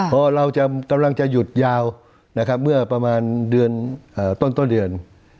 ถ้าเรากำลังจะหยุดยาวเมื่อประมาณต้นเดือน